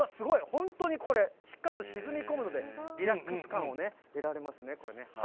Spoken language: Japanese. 本当にこれ、しっかりと沈み込むので、リラックス感を得られますね。